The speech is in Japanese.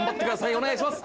お願いします！